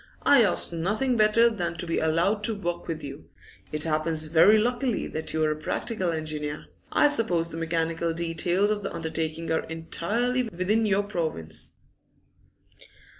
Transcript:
I ask nothing better than to be allowed to work with you. It happens very luckily that you are a practical engineer. I suppose the mechanical details of the undertaking are entirely within your province.